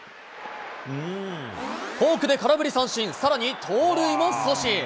フォークで空振り三振、さらに盗塁も阻止。